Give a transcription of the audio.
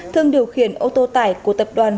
thương điều khiển ô tô tải của tập đoàn